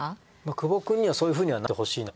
久保くんにはそういうふうにはなってほしいな。